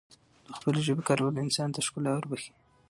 دخپلې ژبې کارول انسان ته ښکلا وربښی